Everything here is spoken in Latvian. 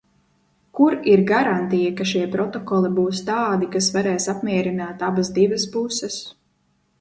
Kur ir garantija, ka šie protokoli būs tādi, kas varēs apmierināt abas divas puses?